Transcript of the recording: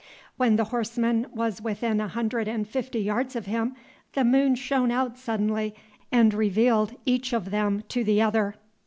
When the horseman was within a hundred and fifty yards of him, the moon shone out suddenly and revealed each of them to the other.